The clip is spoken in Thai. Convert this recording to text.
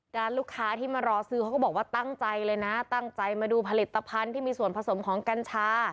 ด้านลูกค้าที่มารอซื้อเขาก็บอกว่าตั้งใจเลยนะ